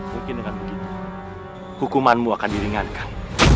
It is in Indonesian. mungkin dengan begitu hukumanmu akan diringankan